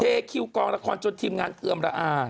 เทคิวกองละครจนทีมงานเอืมลาอาร์